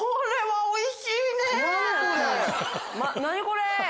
何これ！